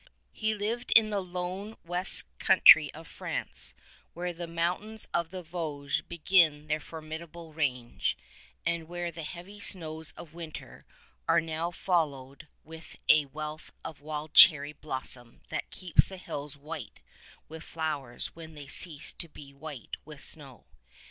He lived in the lone west country of France where the mountains of the Vosges begin their formidable range, and where the heavy snows of winter are now followed with a wealth of wild cherry blossom that keeps the hills white with flowers when they cease to be white with snow.